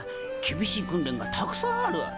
厳しい訓練がたくさんある。